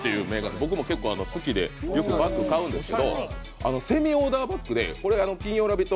僕も結構好きで、よくバッグ、買うんですけどセミオーダーバッグで金曜「ラヴィット！」